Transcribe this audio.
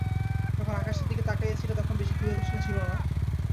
যখন আকাশের দিকে তাকাইয়া ছিলে তখন বুঝি ক্ষুধাতৃষ্ণা ছিল না?